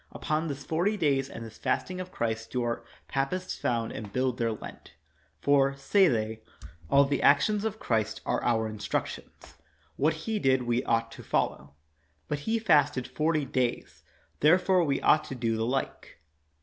Upon this forty days and this fasting of Christ do our papists found and build their Lent ; for, say they, all the actions of Christ are our instructions; what he did we ought to follow. But He fasted forty days, therefore we ought to do the like.